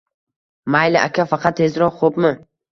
Mayli, aka, faqat tezroq, xo`pmi